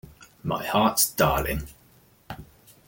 My heart’s darling!